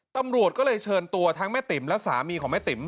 ตำรวจก็เลยเชิญตัวทั้งแม่ติ๋มและสามีของแม่ติ๋ม